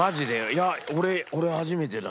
いや俺俺初めてだ。